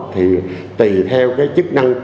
thì tùy theo cái chức năng